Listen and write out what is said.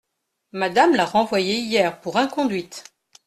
Madame l’a renvoyée hier pour inconduite.